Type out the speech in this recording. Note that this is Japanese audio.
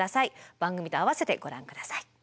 番組と合わせてご覧下さい。